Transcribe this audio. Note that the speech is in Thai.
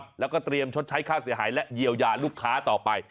แล้วก็เตรียมชดใช้ค่าเสียหายและเยียวยาลูกค้าต่อไป